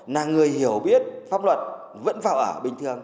là người hiểu biết pháp luật vẫn vào ở bình thường